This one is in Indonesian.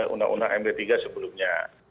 undang undang md tiga sebelumnya